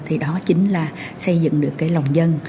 thì đó chính là xây dựng được cái lòng dân